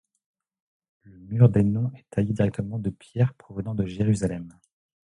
Le mur des Noms est taillé directement de pierres provenant de Jérusalem.